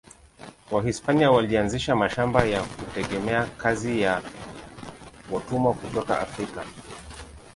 Wahispania walianzisha mashamba kwa kutegemea kazi ya watumwa kutoka Afrika.